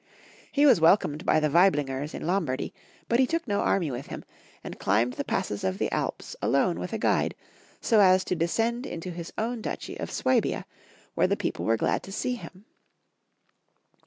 He was welcomed by the Waiblingers in Lom bardy, but he took no army with liim, and climbed the passes of the Alps alone with a guide, so as to descend into his own duchy of Swabia, where the Otto IV. 161 people were glad to see him.